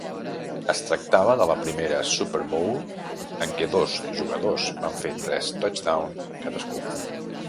Es tractava de la primera Super Bowl en què dos jugadors van fer tres touchdown cadascú.